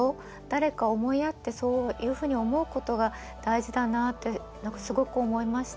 誰か思いやってそういうふうに思うことが大事だなって何かすごく思いました。